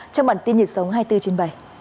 trong bản tin nhật sống hai mươi bốn trên bảy